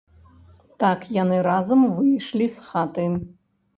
Так яны разам выйшлі з хаты.